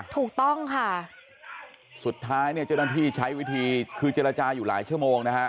ถูกต้องค่ะสุดท้ายเนี่ยเจ้าหน้าที่ใช้วิธีคือเจรจาอยู่หลายชั่วโมงนะฮะ